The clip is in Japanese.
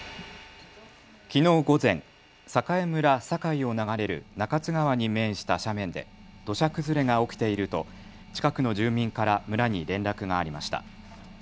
きのう午前、栄村堺を流れる中津川に面した斜面で土砂崩れが起きていると近くの住民から村に連絡がありました。